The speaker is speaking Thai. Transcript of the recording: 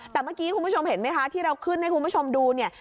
แต่เมื่อกี้คุณผู้ชมเห็นไหมคะที่เราขึ้นให้คุณผู้ชมดูเนี่ย